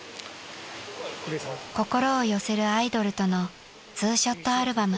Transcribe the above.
［心を寄せるアイドルとのツーショットアルバム］